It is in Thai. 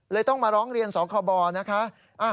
ต้องมาร้องเรียนสคบนะคะ